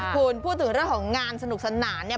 คุณพูดถึงเรื่องของงานสนุกสนานเนี่ย